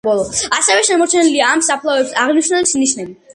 ასევე შემორჩენილია ამ საფლავების აღმნიშვნელი ნიშნები.